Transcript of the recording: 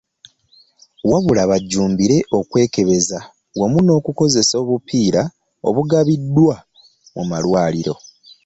Wabula bajjumbire okwekebeza wamu n'okukozesa obupiira obugabiddwa mu malwaliro.